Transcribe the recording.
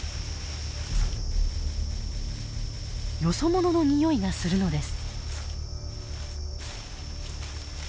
よそ者のにおいがするのです。